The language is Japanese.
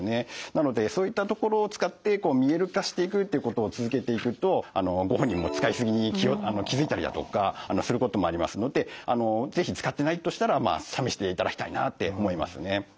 なのでそういったところを使って見える化していくっていうことを続けていくとご本人も使い過ぎに気付いたりだとかすることもありますので是非使ってないとしたら試していただきたいなって思いますね。